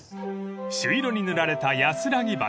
［朱色に塗られたやすらぎ橋］